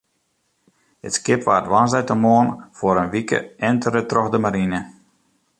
It skip waard woansdeitemoarn foar in wike entere troch de marine.